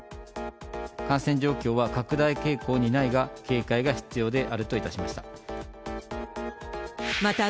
感染状況は拡大傾向にないが、警戒が必要であるといたしました。